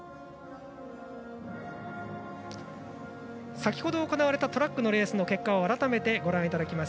先ほど行われたトラックのレースの結果を改めて確認します。